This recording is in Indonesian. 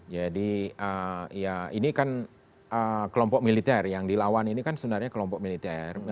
jadi ya ini kan kelompok militer yang dilawan ini kan sebenarnya kelompok militer